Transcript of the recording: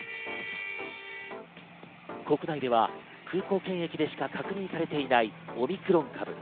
国内では空港検疫でしか確認されていないオミクロン株。